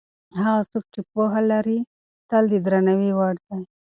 هغه څوک چې پوهه لري تل د درناوي وړ دی.